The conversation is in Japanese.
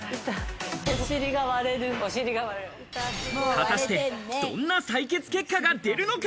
果たして、どんな採血結果が出るのか。